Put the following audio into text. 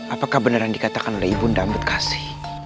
apakah benar yang dikatakan oleh ibu nda amat kasi